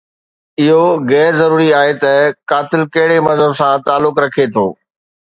اهو غير ضروري آهي ته قاتل ڪهڙي مذهب سان تعلق رکي ٿو.